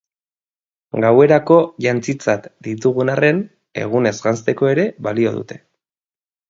Gauerako jantzitzat ditugun arren, egunez janzteko ere balio dute.